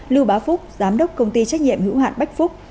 lưu bá phúc giám đốc công ty trách nhiệm hữu hạn bách phúc